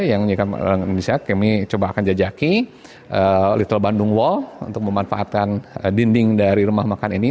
yang dikelola oleh orang indonesia kami coba akan jajaki little bandung mall untuk memanfaatkan dinding dari rumah makan ini